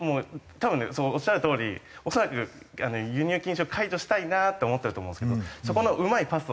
多分ねおっしゃるとおり恐らく輸入禁止を解除したいなと思ってると思うんですけどそこのうまいパスをやっぱり。